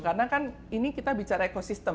karena kan ini kita bicara ekosistem